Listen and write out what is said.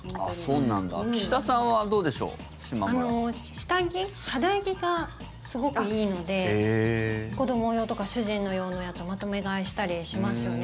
下着、肌着がすごくいいので子ども用とか主人用のやつまとめ買いしたりしますね。